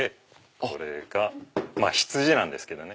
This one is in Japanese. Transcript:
これがヒツジなんですけどね。